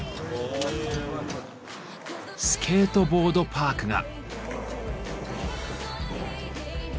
スケートボードパークが。